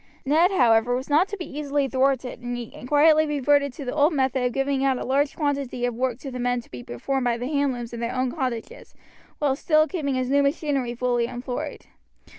Ned, however, was not to be easily thwarted, and he quietly reverted to the old method of giving out a large quantity of work to the men to be performed by the hand looms in their own cottages, while still keeping his new machinery fully employed.